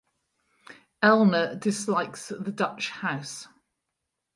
Elna dislikes the Dutch House.